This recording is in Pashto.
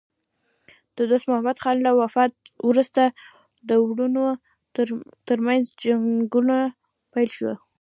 د دوست محمد خان له وفات وروسته د وروڼو ترمنځ جنګونه پیل شول.